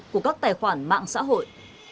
của các tài khoản mạng xã hội